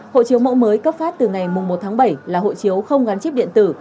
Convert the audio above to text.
hộ chiếu mẫu mới cấp phát từ ngày một tháng bảy là hộ chiếu không gắn chip điện tử